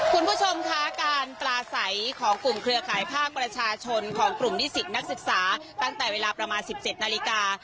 คุณผู้ชมคะการปลาใสของกลุ่มเครือข่ายภาคประชาชนของกลุ่มนิสิตนักศึกษาตั้งแต่เวลาประมาณ๑๗นาฬิกา